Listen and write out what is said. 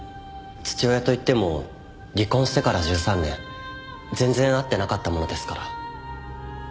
父親といっても離婚してから１３年全然会ってなかったものですから。